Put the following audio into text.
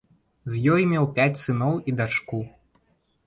З ёй меў пяць сыноў і дачку.